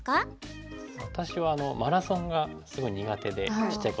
私はマラソンがすごい苦手でちっちゃい頃から。